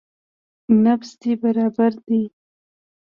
نبض دې برابر ديه.